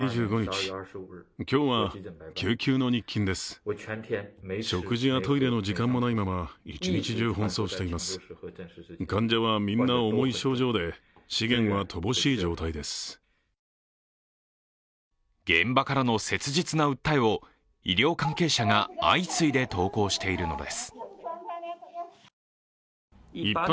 ＳＮＳでは、こんな動きが現場からの切実な訴えを医療関係者が相次いで投稿しているのです。